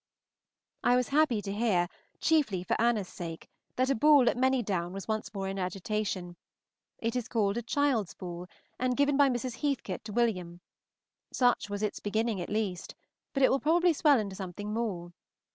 I was happy to hear, chiefly for Anna's sake, that a ball at Manydown was once more in agitation; it is called a child's ball, and given by Mrs. Heathcote to Wm. Such was its beginning at least, but it will probably swell into something more.